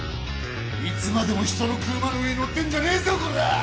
いつまでも人の車の上に乗ってんじゃねえぞこらぁ！